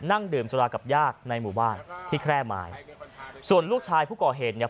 นั่งดื่มสุรากับญาติในหมู่บ้านที่แคร่ไม้ส่วนลูกชายผู้ก่อเหตุเนี่ย